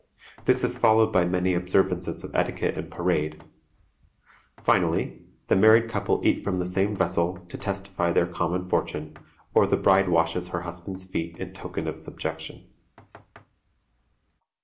This is followed by many observances of etiquette and parade. Finally, the married couple eat from the same vessel, to testify their common fortune, or the bride washes her husband's feet in token of subjection.